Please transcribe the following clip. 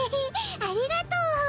ありがとう。